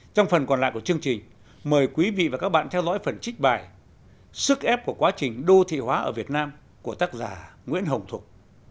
trong phần còn lại của chương trình mời quý vị và các bạn theo dõi phần trích bài sức ép của quá trình đô thị hóa ở việt nam của tác giả nguyễn hồng thục